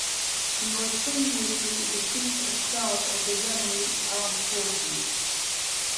He was previously the chief of staff of the Yemeni Armed Forces.